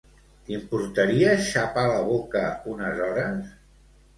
T'importaria xapar la boca unes hores?